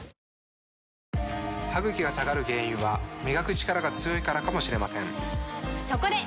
歯ぐきが下がる原因は磨くチカラが強いからかもしれませんそこで！